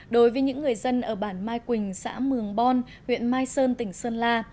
đối với những người dân ở bản mai quỳnh xã mường bon huyện mai sơn tỉnh sơn la